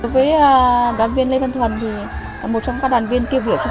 với đoàn viên lê minh thuần